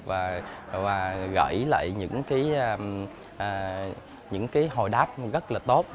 và gãy lại những cái hồi đáp rất là tốt